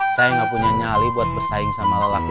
saya nggak punya nyali buat bersaing sama lelaki tadi